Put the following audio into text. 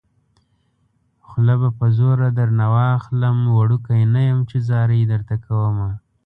خوله به په زوره درنه واخلم وړوکی نه يم چې ځاري درته کومه